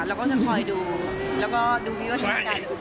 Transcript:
เราก็จะพอยดูแล้วก็ดูวิวเท่ากัน